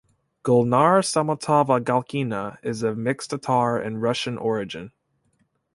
Gulnara Samitova-Galkina is of mixed Tatar and Russian origin.